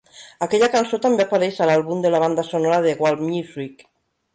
Aquella cançó també apareix a l"àlbum de la banda sonora de "Whale Music".